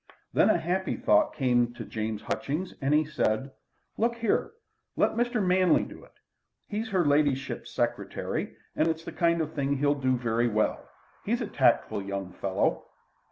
Then a happy thought came to James Hutchings, and he said: "Look here: let Mr. Manley do it. He's her ladyship's secretary, and it's the kind of thing he'll do very well. He's a tactful young fellow."